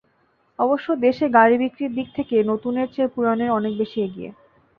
অবশ্য দেশে গাড়ি বিক্রির দিক থেকে নতুনের চেয়ে পুরোনো অনেক বেশি এগিয়ে।